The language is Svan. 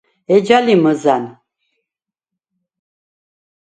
ეჯა ლი მჷზა̈ნ.